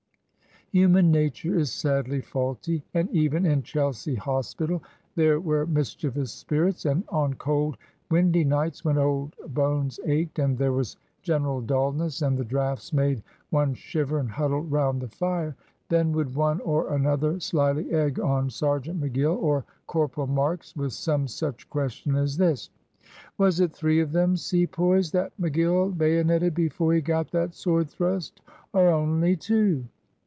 Human nature is sadly faulty and even in Chelsea Hospital there were mischievous spirits; and on cold, windy nights, when old bones ached, and there was general dullness, and the draughts made one shiver and huddle round the fire then would one or another slyly egg on Sergeant McGill or Corporal Marks with some such question as this: "Was it three of them Sepoys that McGill bayoneted before he got that sword thrust or only two?"